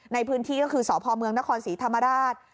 ในพื้นที่ก็คือสพเมืองนครศรีธรรมราช